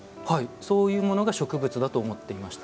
そういうものが植物だと思っていました。